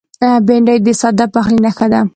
بېنډۍ د ساده پخلي نښه ده